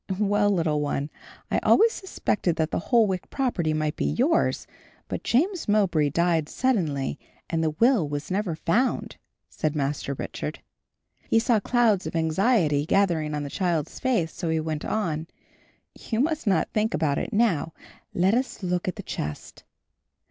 "Well, little one, I always suspected that the Holwick property might be yours; but James Mowbray died suddenly and the will was never found," said Master Richard. He saw clouds of anxiety gathering on the child's face, so he went on, "You must not think about it now; let us look at the chest."